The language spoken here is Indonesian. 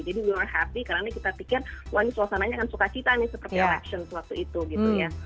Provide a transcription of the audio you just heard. jadi we were happy karena kita pikir wah ini suasananya kan suka kita nih seperti election waktu itu gitu ya